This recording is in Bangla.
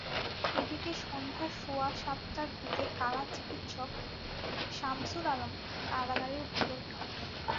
এদিকে সন্ধ্যা সোয়া সাতটার দিকে কারা চিকিৎসক শামসুল আলম কারাগারের ভেতর ঢোকেন।